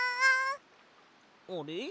あれ？